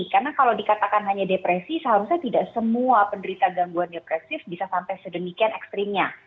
karena kalau dikatakan hanya depresi seharusnya tidak semua penderita gangguan depresif bisa sampai sedemikian ekstrimnya